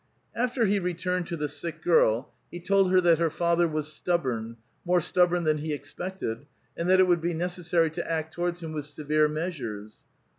After he returned to the sick girl, he told licr that her father was stubborn, more stubborn than he expected, and that it would be necessary to act towards him with severe measures.